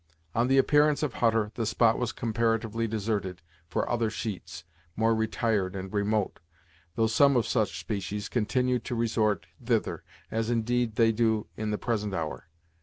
On the appearance of Hutter, the spot was comparatively deserted for other sheets, more retired and remote, though some of each species continued to resort thither, as indeed they do to the present hour.